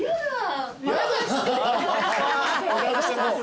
お邪魔してます。